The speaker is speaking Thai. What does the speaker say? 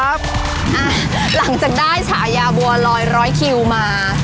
หลังจากได้ฉายาบัวลอยร้อยคิวมา